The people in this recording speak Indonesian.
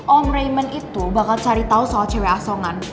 om raymond itu bakal cari tau soal cewek asongan